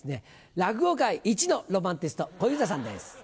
落語界いちのロマンチスト小遊三さんです。